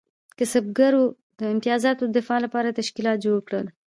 کسبګرو د امتیازاتو د دفاع لپاره تشکیلات جوړ کړل.